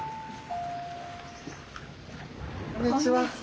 こんにちは。